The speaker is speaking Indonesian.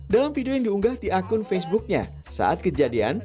dalam video yang diunggah di akun facebooknya saat kejadian